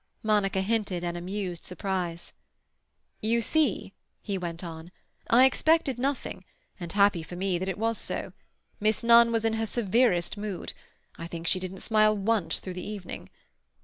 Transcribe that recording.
Monica hinted an amused surprise. "You see," he went on, "I expected nothing, and happy for me that it was so. Miss Nunn was in her severest mood; I think she didn't smile once through the evening.